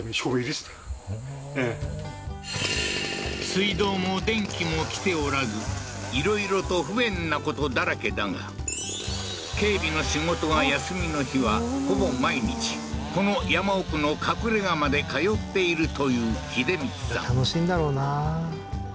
水道も電気も来ておらずいろいろと不便なことだらけだが警備の仕事が休みの日はほぼ毎日この山奥の隠れ家まで通っているという秀充さん楽しいんだろうな